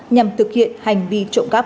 nhằm thực hiện hành vi trộm cắp